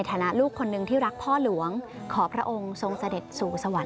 พ่อรุงของปุงชุดชาวไทยทั้งชื่อภูมิพล